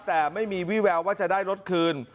แต่ไม่มีวิแววว่าจะได้รถคืน